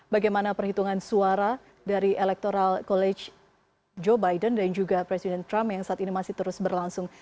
bagaimana perhitungan suara dari electoral college joe biden dan juga presiden trump yang saat ini masih terus berlangsung